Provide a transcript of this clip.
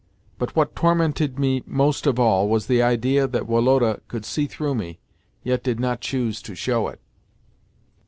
But, what tormented me most of all was the idea that Woloda could see through me, yet did not choose to show it.